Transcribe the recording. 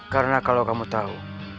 karena kalau kamu tahu